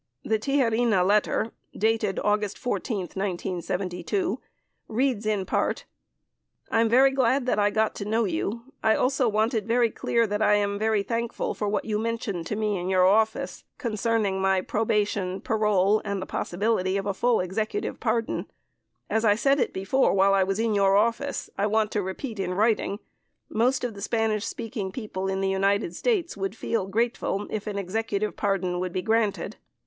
44 The Tijerina letter (dated August 14, 1972) reads in part : I'm very glad that I got to know you. I also want it very clear that I am very thankful for what you mentioned to me in your office concerning my probation, parole, and the pos sibility of a full Executive pardon. As I said it before while I was in your office, I want to repeat in writing most of the Spanish speaking people in the United States would feel grateful if an Executive pardon would be granted.